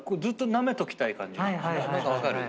ずっとなめときたい感じ。